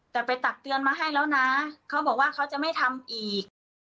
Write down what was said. แต่ไปตักเตือนมาให้แล้วนะเขาบอกว่าเขาจะไม่ทำอีก